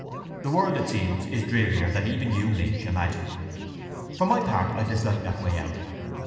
The world, it seems, is drearier than even you, Lynch, imagined. For my part I dislike that way out.